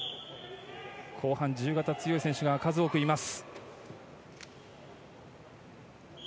後半、自由形が強い選手が数多くいます。